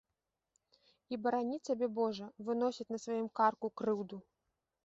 І барані цябе божа выносіць на сваім карку крыўду.